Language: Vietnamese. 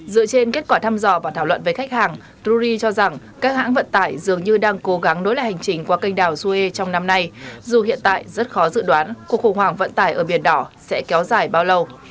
dựa trên kết quả thăm dò và thảo luận với khách hàng drury cho rằng các hãng vận tải dường như đang cố gắng nối lại hành trình qua kênh đảo sue trong năm nay dù hiện tại rất khó dự đoán cuộc khủng hoảng vận tải ở biển đỏ sẽ kéo dài bao lâu